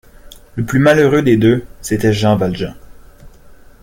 Le plus malheureux des deux, c’était Jean Valjean.